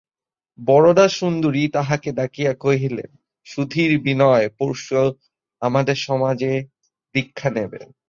বরদাসুন্দরী তাহাকে ডাকিয়া কহিলেন, সুধীর, বিনয় পরশু আমাদের সমাজে দীক্ষা নেবেন।